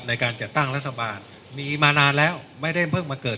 ในการจัดตั้งรัฐบาลมีมานานแล้วไม่ได้เพิ่งมาเกิด